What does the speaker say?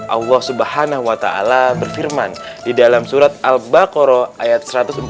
allah subhanahu wa ta'ala berfirman di dalam surat al baqarah ayat satu ratus empat puluh tiga